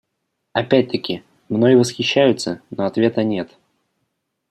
Опять-таки, мной восхищаются, но ответа нет.